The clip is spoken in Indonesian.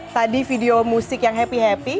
tadi video musik yang happy happy